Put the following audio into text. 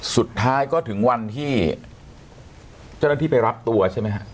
สุดท้ายก็ถึงวันที่เจ้าหน้าที่ไปรับตัวใช่ไหมฮะ